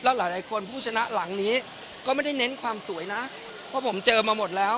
หลายคนผู้ชนะหลังนี้ก็ไม่ได้เน้นความสวยนะเพราะผมเจอมาหมดแล้ว